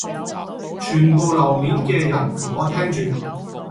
全部樓面嘅人同我聽住